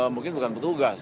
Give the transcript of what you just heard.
mungkin bukan petugas